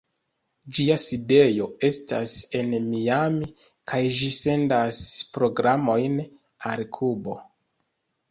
Ĝia sidejo estas en Miami kaj ĝi sendas programojn al Kubo.